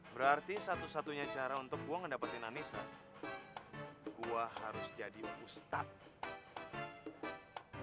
berarti satu satunya cara untuk gue ngedapetin anissa gue harus jadi ustadz